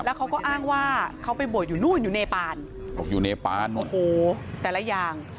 แล้วเขาก็อ้างว่าเขาไปบวชอยู่นู่นอยู่เนปานแต่ละอย่าง